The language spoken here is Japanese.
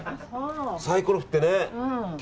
サイコロ振ってね。